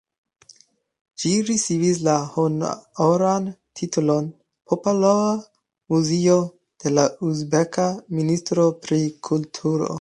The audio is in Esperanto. Ĝi ricevis la honoran titolon "popola muzeo" de la uzbeka ministro pri kulturo.